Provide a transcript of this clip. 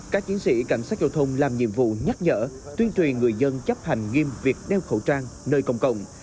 các chiến sĩ cảnh sát giao thông làm nhiệm vụ nhắc nhở tuyên truyền người dân chấp hành nghiêm việc đeo khẩu trang nơi công cộng